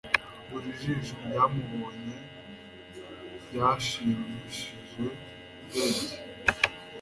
Buri jisho ryamubonye ryashimishije ubwenge